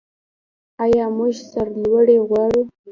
آیا موږ سرلوړي غواړو؟